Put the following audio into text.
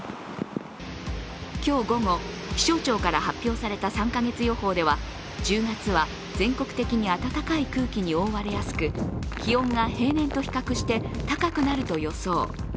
今日午後、気象庁から発表された３か月予報では１０月は全国的に暖かい空気に覆われやすく気温が平年と比較して高くなると予想。